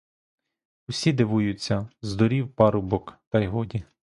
Усі дивуються, здурів парубок, та й годі.